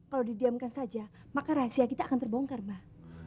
kalau didiamkan saja maka rahasia kita akan terbongkar mbak